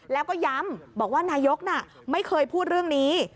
แล้วก็ย้ำบอกว่านายกน่ะไม่เคยพูดเรื่องนี้